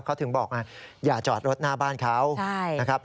เขาถึงบอกอย่าจอดรถหน้าบ้านเขา